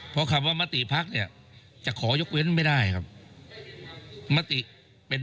เพราะคำว่ามติภักดิ์เนี่ยจะขอยกเว้นไม่ได้ครับมติเป็น